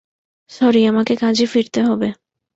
Sorry, আমাকে কাজে ফিরতে হবে।